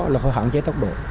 là phải hẳn chế tốc độ